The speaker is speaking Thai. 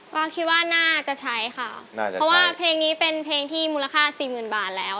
เพราะว่าเพลงนี้เป็นเพลงที่มูลค่าสิบหมื่นบาทแล็ว